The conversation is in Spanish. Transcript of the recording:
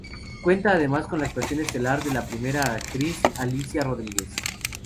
Cuenta además con la actuación estelar de la primera actriz Alicia Rodríguez.